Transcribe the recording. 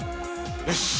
よし。